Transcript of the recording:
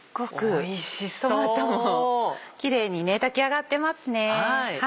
トマトもキレイに炊きあがってますね。